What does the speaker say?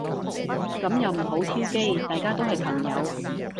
噉又唔好挑機。大家都係朋友